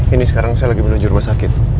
ini sekarang saya lagi menuju rumah sakit